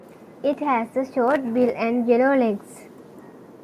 It has a short bill and yellow legs.